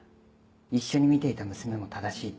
一緒に見ていた娘も「正しい」って。